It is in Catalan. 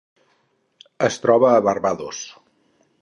Es troba a Barbados.